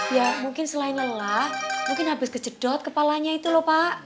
ya mungkin selain lelah mungkin habis kecedot kepalanya itu lho pak